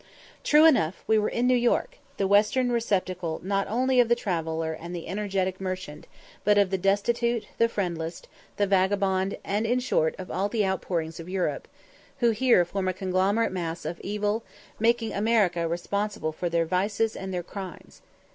True enough, we were in New York, the western receptacle not only of the traveller and the energetic merchant, but of the destitute, the friendless, the vagabond, and in short of all the outpourings of Europe, who here form a conglomerate mass of evil, making America responsible for their vices and their crimes.